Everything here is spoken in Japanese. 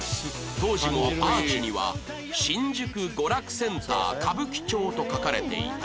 当時もアーチには「新宿娯楽センター歌舞伎町」と書かれていた